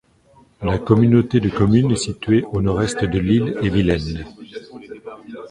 La communauté de communes est située au Nord-Est de l'Ille-et-Vilaine.